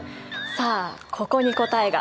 さあここに答えが。